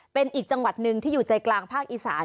เป็นอีกจังหวัดหนึ่งที่อยู่ใจกลางภาคอีสาน